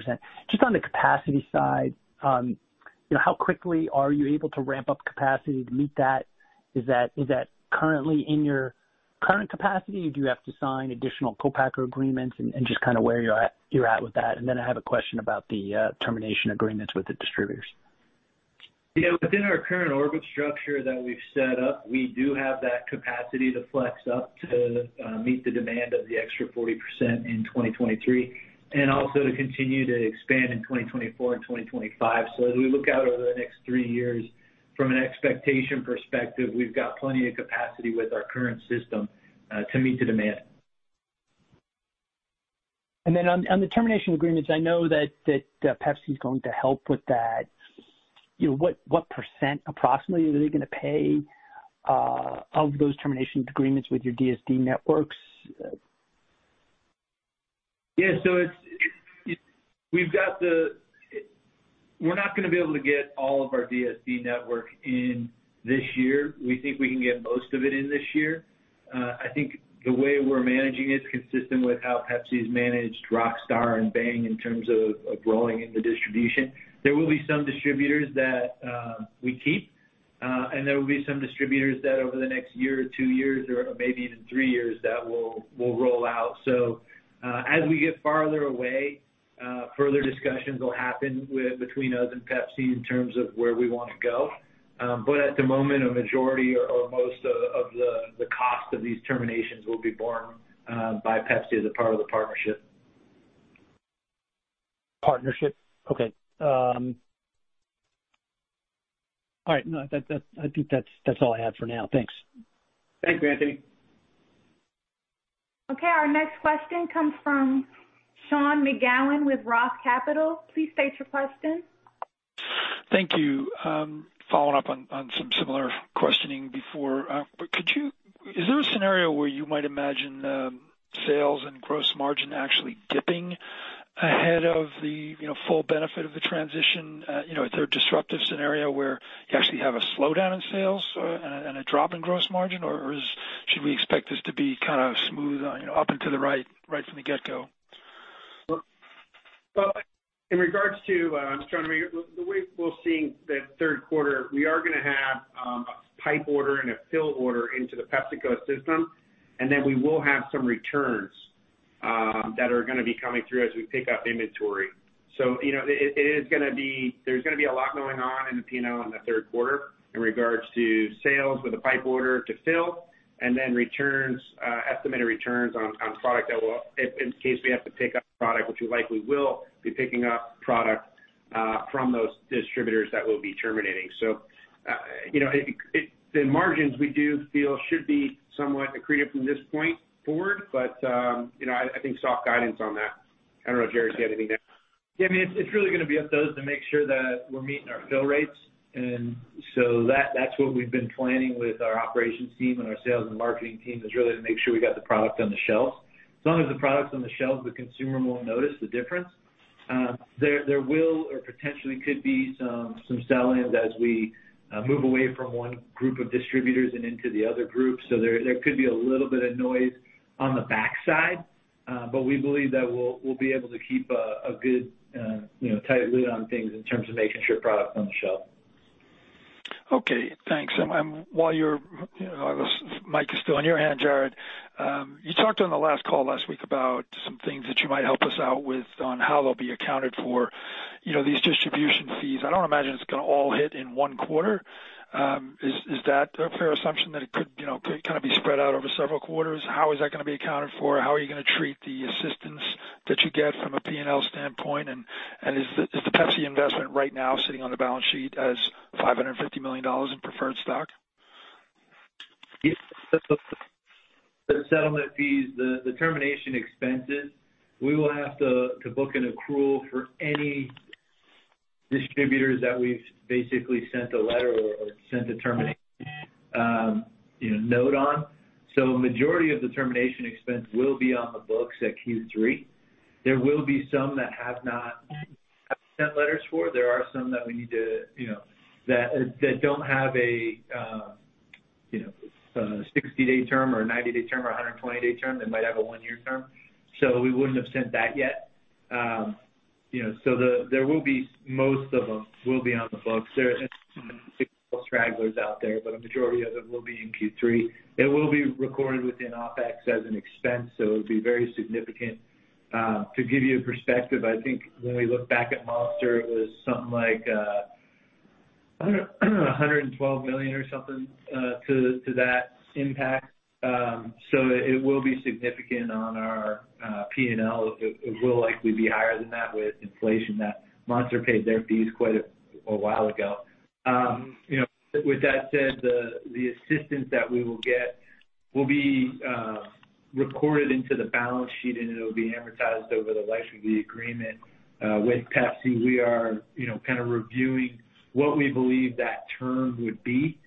K: Just on the capacity side, you know, how quickly are you able to ramp up capacity to meet that? Is that currently in your current capacity? Do you have to sign additional co-packer agreements? And just kinda where you're at with that. Then I have a question about the termination agreements with the distributors.
D: Yeah. Within our current Orbit structure that we've set up, we do have that capacity to flex up to meet the demand of the extra 40% in 2023, and also to continue to expand in 2024 and 2025. As we look out over the next three years, from an expectation perspective, we've got plenty of capacity with our current system to meet the demand.
K: On the termination agreements, I know that Pepsi is going to help with that. You know, what percent approximately are they gonna pay of those termination agreements with your DSD networks?
D: We're not gonna be able to get all of our DSD network in this year. We think we can get most of it in this year. I think the way we're managing it, consistent with how Pepsi's managed Rockstar and Bang in terms of growing in the distribution, there will be some distributors that we keep, and there will be some distributors that over the next year or two years or maybe even three years, that we'll roll out. As we get farther away, further discussions will happen between us and Pepsi in terms of where we wanna go. At the moment, a majority or most of the cost of these terminations will be borne by Pepsi as a part of the partnership.
K: Partnership. Okay. All right. No, that. I think that's all I have for now. Thanks.
D: Thanks, Anthony.
A: Okay, our next question comes from Sean McGowan with Roth Capital Partners. Please state your question.
L: Thank you. Following up on some similar questioning before. Is there a scenario where you might imagine sales and gross margin actually dipping ahead of the, you know, full benefit of the transition? You know, is there a disruptive scenario where you actually have a slowdown in sales, and a drop in gross margin? Should we expect this to be kind of smooth, you know, up and to the right from the get-go?
C: Well, in regards to Sean, the way we're seeing the third quarter, we are going to have a pipeline order and a fill order into the PepsiCo system, and then we will have some returns that are going to be coming through as we pick up inventory. You know, there is going to be a lot going on in the P&L in the third quarter in regards to sales with a pipeline order to fill and then returns, estimated returns on product if in case we have to pick up product, which we likely will be picking up product from those distributors that we'll be terminating. You know, the margins we do feel should be somewhat accretive from this point forward. You know, I think soft guidance on that. I don't know if Jarrod has anything to add.
D: Yeah, I mean, it's really gonna be up to us to make sure that we're meeting our fill rates. That's what we've been planning with our operations team and our sales and marketing team, is really to make sure we got the product on the shelves. As long as the product's on the shelves, the consumer won't notice the difference. There will or potentially could be some sell-ins as we move away from one group of distributors and into the other groups. There could be a little bit of noise on the backside. We believe that we'll be able to keep a good, you know, tight lid on things in terms of making sure product's on the shelf.
L: Okay, thanks. While the mic is still in your hand, Jarrod, you talked on the last call last week about some things that you might help us out with on how they'll be accounted for. You know, these distribution fees, I don't imagine it's gonna all hit in one quarter. Is that a fair assumption that it could, you know, kind of be spread out over several quarters? How is that gonna be accounted for? How are you gonna treat the assistance that you get from a P&L standpoint? And is the PepsiCo investment right now sitting on the balance sheet as $550 million in preferred stock?
D: Yes. The settlement fees, the termination expenses, we will have to book an accrual for any distributors that we've basically sent a letter or sent a termination, you know, note on. Majority of the termination expense will be on the books at Q3. There will be some that have not sent letters for. There are some that we need to, you know, that don't have a 60-day term or a 90-day term or a 120-day term. They might have a one-year term. We wouldn't have sent that yet. Most of them will be on the books. There is some stragglers out there, but a majority of them will be in Q3. It will be recorded within OpEx as an expense, so it would be very significant. To give you a perspective, I think when we look back at Monster, it was something like $112 million or something to that impact. It will be significant on our P&L. It will likely be higher than that with inflation, that Monster paid their fees quite a while ago. You know, with that said, the assistance that we will get will be recorded into the balance sheet, and it'll be amortized over the life of the agreement. With Pepsi, we are, you know, kind of reviewing what we believe that term would be,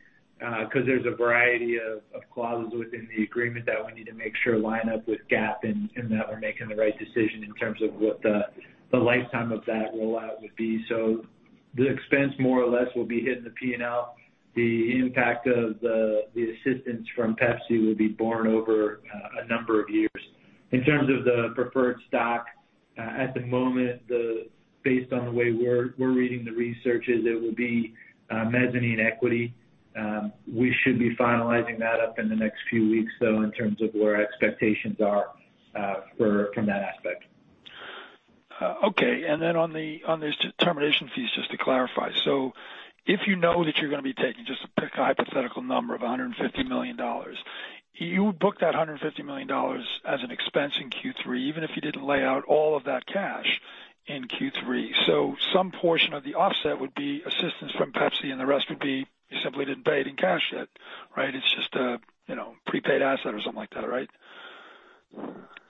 D: 'cause there's a variety of clauses within the agreement that we need to make sure line up with GAAP and that we're making the right decision in terms of what the lifetime of that rollout would be. The expense more or less will be hitting the P&L. The impact of the assistance from Pepsi will be borne over a number of years. In terms of the preferred stock, at the moment, based on the way we're reading the researchers, it will be mezzanine equity. We should be finalizing that up in the next few weeks, though, in terms of where expectations are from that aspect.
L: On these termination fees, just to clarify. If you know that you're gonna be taking, just to pick a hypothetical number of $150 million, you would book that $150 million as an expense in Q3, even if you didn't lay out all of that cash? In Q3. Some portion of the offset would be assistance from Pepsi and the rest would be you simply didn't pay it in cash yet, right? It's just a prepaid asset or something like that, right?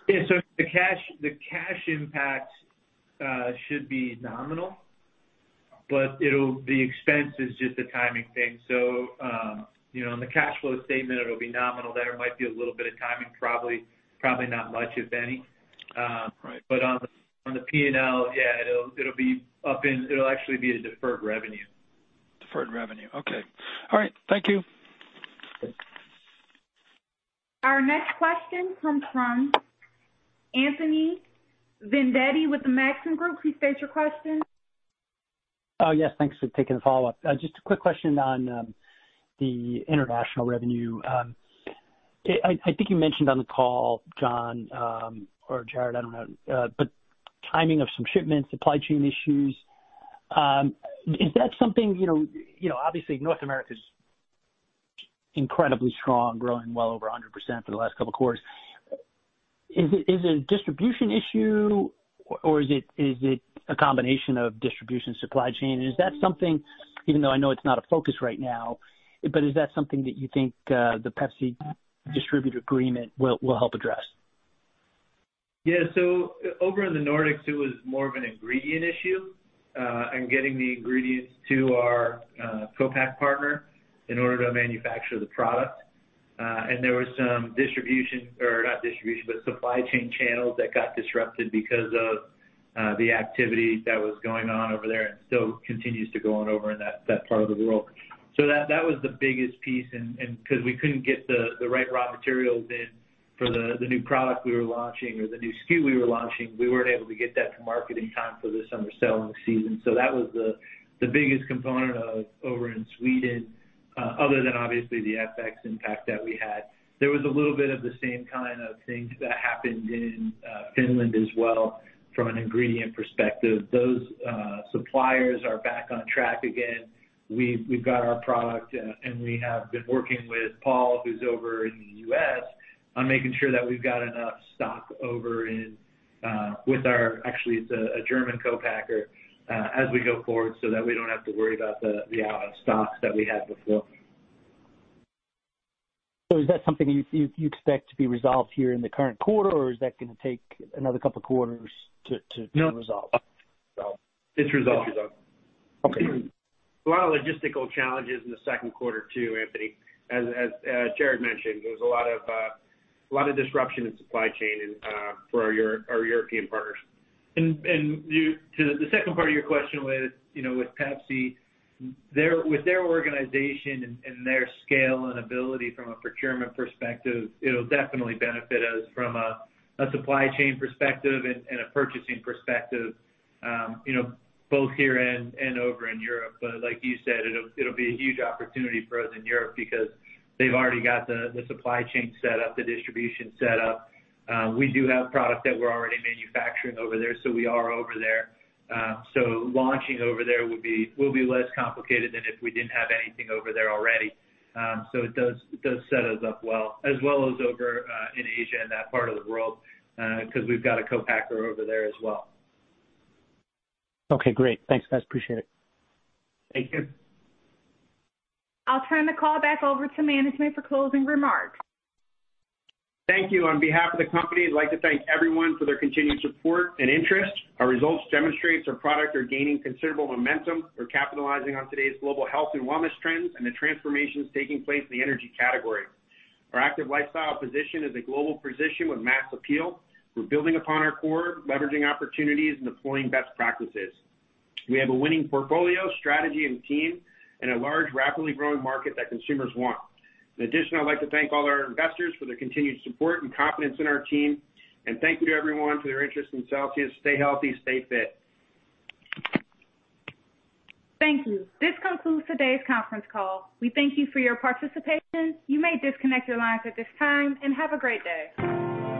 D: Yeah. The cash impact should be nominal, but the expense is just a timing thing. You know, on the cash flow statement, it'll be nominal there. Might be a little bit of timing, probably not much, if any.
L: Right.
D: On the P&L, yeah, it'll actually be a deferred revenue.
L: Deferred revenue. Okay. All right. Thank you.
A: Our next question comes from Anthony Vendetti with Maxim Group. Please state your question.
K: Oh, yes. Thanks for taking the follow-up. Just a quick question on the international revenue. I think you mentioned on the call, John, or Jarrod, I don't know, but timing of some shipments, supply chain issues, is that something, you know, obviously North America's incredibly strong, growing well over 100% for the last couple of quarters. Is it a distribution issue or is it a combination of distribution, supply chain? Is that something, even though I know it's not a focus right now, but is that something that you think the Pepsi distributor agreement will help address?
D: Yeah. Over in the Nordics, it was more of an ingredient issue, and getting the ingredients to our co-pack partner in order to manufacture the product. There was some distribution or not distribution, but supply chain channels that got disrupted because of the activity that was going on over there and still continues to go on over in that part of the world. That was the biggest piece and 'cause we couldn't get the right raw materials in for the new product we were launching or the new SKU we were launching. We weren't able to get that to market in time for the summer selling season. That was the biggest component over in Sweden, other than obviously the FX impact that we had. There was a little bit of the same kind of things that happened in Finland as well from an ingredient perspective. Those suppliers are back on track again. We've got our product and we have been working with Paul, who's over in the U.S., on making sure that we've got enough stock over in. Actually, it's a German co-packer as we go forward so that we don't have to worry about the out of stocks that we had before.
K: Is that something you expect to be resolved here in the current quarter, or is that gonna take another couple quarters to resolve?
C: No. It's resolved.
K: Okay.
C: A lot of logistical challenges in the second quarter too, Anthony. As Jarrod mentioned, there was a lot of disruption in supply chain and for our European partners.
D: To the second part of your question was, you know, with Pepsi, with their organization and their scale and ability from a procurement perspective, it'll definitely benefit us from a supply chain perspective and a purchasing perspective, you know, both here and over in Europe. Like you said, it'll be a huge opportunity for us in Europe because they've already got the supply chain set up, the distribution set up. We do have product that we're already manufacturing over there, so we are over there. Launching over there will be less complicated than if we didn't have anything over there already. It does set us up well, as well as over in Asia and that part of the world, 'cause we've got a co-packer over there as well.
K: Okay, great. Thanks, guys. Appreciate it.
D: Thank you.
A: I'll turn the call back over to management for closing remarks.
C: Thank you. On behalf of the company, I'd like to thank everyone for their continued support and interest. Our results demonstrates our product are gaining considerable momentum. We're capitalizing on today's global health and wellness trends and the transformations taking place in the energy category. Our active lifestyle position is a global position with mass appeal. We're building upon our core, leveraging opportunities and deploying best practices. We have a winning portfolio, strategy and team, and a large, rapidly growing market that consumers want. In addition, I'd like to thank all our investors for their continued support and confidence in our team. Thank you to everyone for their interest in Celsius. Stay healthy, stay fit.
A: Thank you. This concludes today's conference call. We thank you for your participation. You may disconnect your lines at this time, and have a great day.